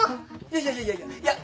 いやいやいやいやいや。